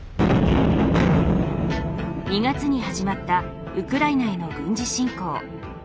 ２月に始まったウクライナへの軍事侵攻。